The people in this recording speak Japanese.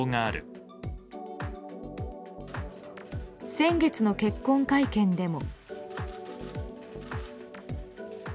先月の結婚会見でも。